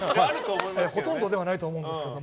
ほとんどではないと思うんですけど。